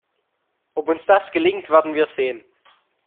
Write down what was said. Ob uns das gelingt, werden wir sehen.